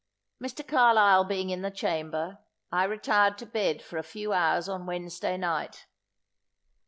Mr. Carlisle being in the chamber, I retired to bed for a few hours on Wednesday night.